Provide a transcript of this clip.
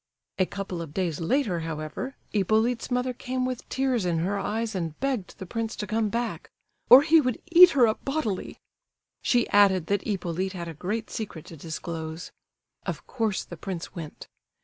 A couple of days later, however, Hippolyte's mother came with tears in her eyes, and begged the prince to come back, "or he would eat her up bodily." She added that Hippolyte had a great secret to disclose. Of course the prince went.